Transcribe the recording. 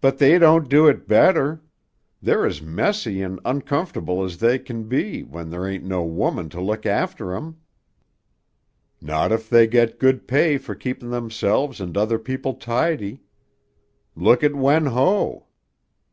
"But they don't do it better. They're as messy an' uncomfortable as they can be when there ain't no woman to look after 'em." "Not if they get good pay for keeping themselves and other people tidy. Look at Wen Ho."